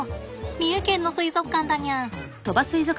三重県の水族館だにゃん。